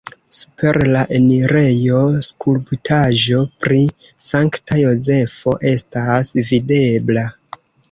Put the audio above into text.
Super la enirejo skulptaĵo pri Sankta Jozefo estas videbla.